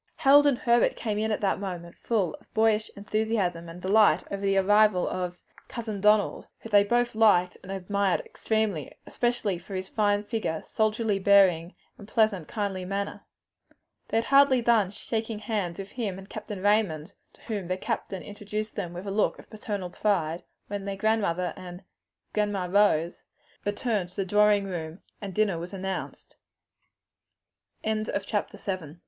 Harold and Herbert came in at that moment full of boyish enthusiasm and delight over the arrival of "Cousin Donald," whom they liked and admired extremely; in especial for his fine figure, soldierly bearing, and pleasant, kindly manner. They had hardly done shaking hands with him and Captain Raymond, to whom their grandfather introduced them with a look of paternal pride, when their mother and "Grandma Rose" returned to the drawing room, and dinner was announced. CHAPTER VIII.